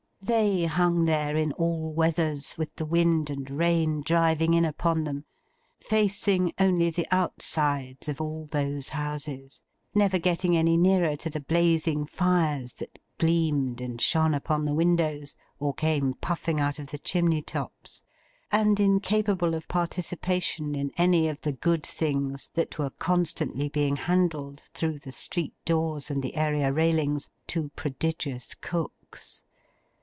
They hung there, in all weathers, with the wind and rain driving in upon them; facing only the outsides of all those houses; never getting any nearer to the blazing fires that gleamed and shone upon the windows, or came puffing out of the chimney tops; and incapable of participation in any of the good things that were constantly being handed through the street doors and the area railings, to prodigious cooks.